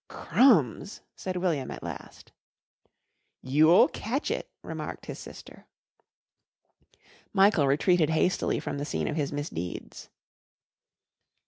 "Crumbs!" said William at last. "You'll catch it," remarked his sister. Michael retreated hastily from the scene of his misdeeds.